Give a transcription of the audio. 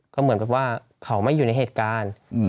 ก็เหมือนแบบว่าเขาไม่อยู่ในเหตุการณ์